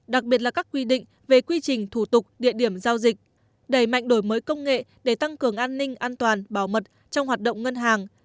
đặc biệt là các quy định về quy trình thủ tục địa điểm giao dịch đẩy mạnh đổi mới công nghệ để tăng cường an ninh an toàn bảo mật trong hoạt động ngân hàng